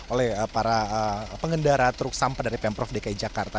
oleh para pengendara truk sampah dari pemprov dki jakarta